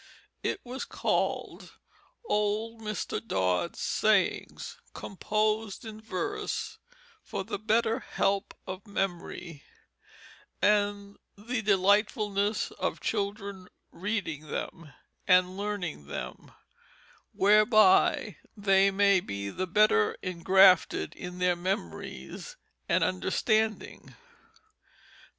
It was called, _Old Mr. Dod's Sayings; composed in Verse, for the better Help of Memory; and the Delightfulness of Children reading them, and learning them, whereby they may be the better ingrafted in their memories and Understanding_.